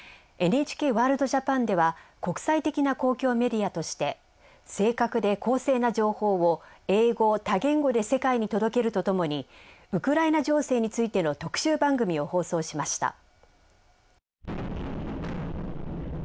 「ＮＨＫワールドＪＡＰＡＮ」では国際的な公共メディアとして正確で公正な情報を英語・多言語で世界に届けるとともにウクライナ情勢についての特集番組を放送しました。